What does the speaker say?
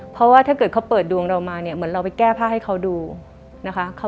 เพราะว่าถ้าเกิดเขาเปิดดวงเรามาเนี่ยเหมือนเราไปแก้ผ้าให้เขาดูนะคะ